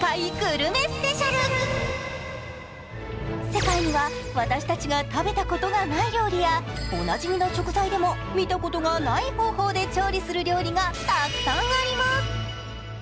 世界には、私たちが食べたことがない料理やおなじみの食材でも、見たことがない方法で調理する料理がたくさんあります。